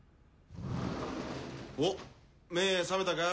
おっ目覚めたか？